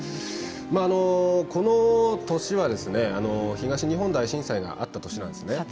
この年は東日本大震災があった年なんですね。